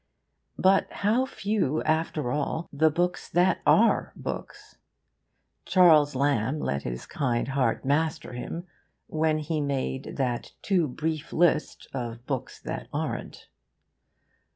But how few, after all, the books that are books! Charles Lamb let his kind heart master him when he made that too brief list of books that aren't.